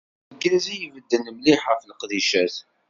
D yiwen n urgaz i ibedden mliḥ ɣef leqdicat.